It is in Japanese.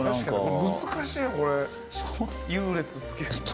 難しいこれ優劣つける。